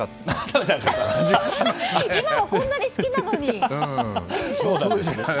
今はこんなに好きなのに。